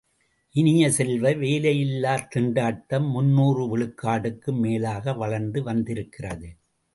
இனிய செல்வ, வேலையில்லாத் திண்டாட்டம் முன்னூறு விழுக்காடுக்கும் மேலாக வளர்ந்து வந்திருக்கிறது.